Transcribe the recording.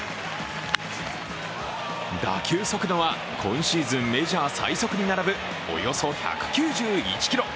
打球速度は今シーズンメジャー最速に並ぶおよそ１９１キロ。